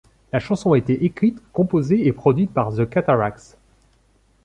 La chanson a été écrite, composée et produite par The Cataracs.